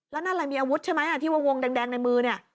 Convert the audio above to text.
แล้วนั่นอะไรมีอาวุธใช่ไหมที่วงแดงในมือเนี่ย